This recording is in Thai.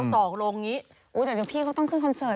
ซอกลงอย่างงี้